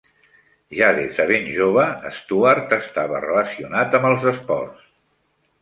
Ja des de ben jove, Stuart estava relacionat amb els esports.